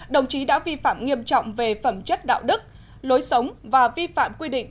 đồng chí đã vi phạm nghiêm trọng về phẩm chất đạo đức lối sống và vi phạm quy định